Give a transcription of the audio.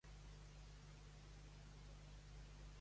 Phoenix va aterrar més enllà al nord.